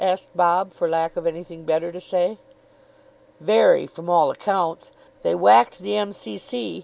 asked Bob, for lack of anything better to say. "Very, from all accounts. They whacked the M.C.C.